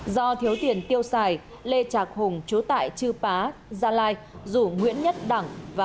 do thiếu tiền tiêu xài lê trạc hùng chú tại chư pá gia lai rủ nguyễn nhất đẳng và